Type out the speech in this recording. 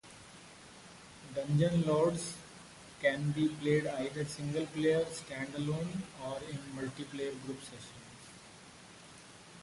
"Dungeon Lords" can be played either single-player stand alone or in multi-player group sessions.